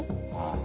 ああ。